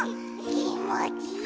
きもちいい。